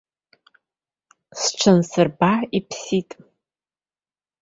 Сҽансырба иԥсит.